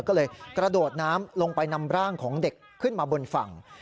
ก็เลยกระโดดน้ำลงไปนำร่างของเด็กขึ้นมาบนฝั่ง